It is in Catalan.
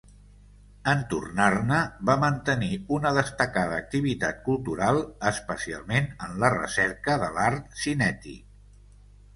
En tornar-ne, va mantenir una destacada activitat cultural, especialment en la recerca de l’art cinètic.